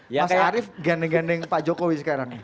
mas arief gendeng gendeng pak jokowi sekarang